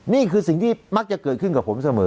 นี่คือสิ่งที่มักจะเกิดขึ้นกับผมเสมอ